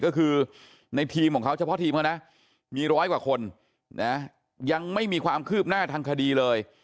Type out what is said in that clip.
ก็คือในทีมของเขาเฉพาะทีมเขานะมีร้อยกว่าคนนะยังไม่มีความคืบหน้าทางคดีเลย